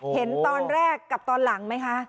เห็นตอนแรกกับตอนหลังไหมคะ